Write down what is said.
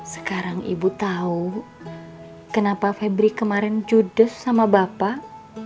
sekarang ibu tahu kenapa febri kemarin cudes sama bapak